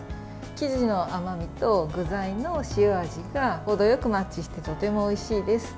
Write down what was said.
生地の甘みと具材の塩味がほどよくマッチしてとてもおいしいです。